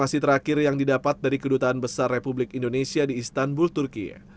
informasi terakhir yang didapat dari kedutaan besar republik indonesia di istanbul turkiye